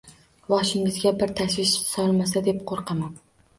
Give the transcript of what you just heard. Boshingizga bir tashvish solmasa deb qo‘rqaman.